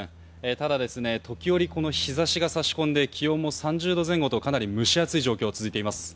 ただ、時折、日差しが差し込んで気温も３０度前後とかなり蒸し暑い状況が続いています。